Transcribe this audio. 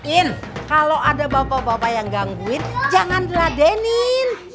in kalau ada bapak bapak yang gangguin jangan diladenin